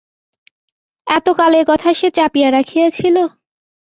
এতকাল একথা সে চাপিয়া রাখিয়াছিল?